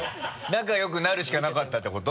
仲良くなるしかなかったってこと？